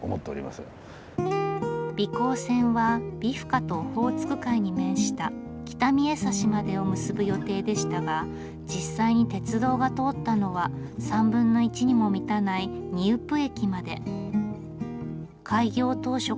美幸線は美深とオホーツク海に面した北見枝幸までを結ぶ予定でしたが実際に鉄道が通ったのは３分の１にも満たない仁宇布駅まで。